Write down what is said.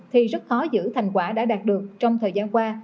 thì rất khó giữ thành quả đã đạt được trong thời gian qua